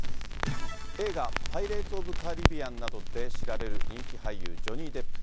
映画、パイレーツ・オブ・カリビアンなどで知られる人気俳優、ジョニー・デップ。